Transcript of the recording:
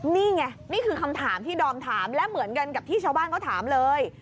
นี่ไงนี่คือคำถามที่ดอมถามและเหมือนกันกับที่ชาวบ้านเขาถามเลย